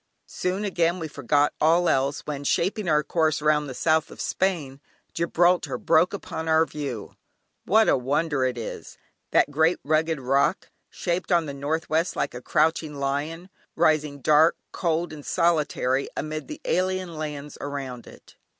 Soon again we forgot all else, when, shaping our course round the south of Spain, Gibraltar broke upon our view. What a wonder it is! that great rugged rock, shaped on the northwest like a crouching lion, rising dark, cold and solitary, amid the alien lands around it.